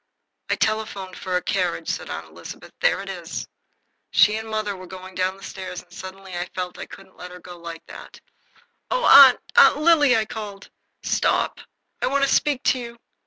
"I telephoned for a carriage," said Aunt Elizabeth. "There it is." She and mother were going down the stairs, and suddenly I felt I couldn't have her go like that. "Oh, Aunt Aunt Lily!" I called. "Stop! I want to speak to you."